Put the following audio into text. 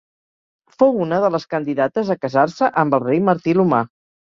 Fou una de les candidates a casar-se amb el rei Martí l'Humà.